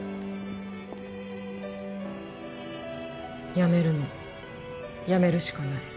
辞めるのやめるしかない。